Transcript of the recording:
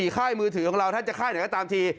ค่ายมือถือของเราท่านจะค่ายไหนก็ตามที